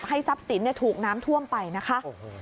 ทรัพย์สินถูกน้ำท่วมไปนะคะ